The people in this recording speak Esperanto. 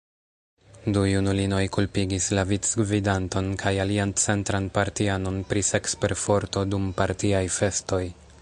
Du junulinoj kulpigis la vicgvidanton kaj alian centran partianon pri seksperforto dum partiaj festoj.